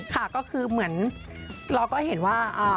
ค่ะก็คือเหมือนเราก็เห็นว่า